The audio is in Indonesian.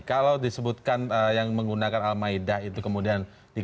kalau disebutkan yang menggunakan al maida itu kemudian digantikan